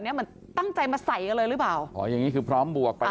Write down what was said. เหมือนตั้งใจมาใส่กันเลยหรือเปล่าอ๋ออย่างงี้คือพร้อมบวกไป